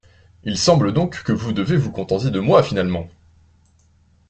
Il semble donc que vous devrez vous contenter de moi finalement?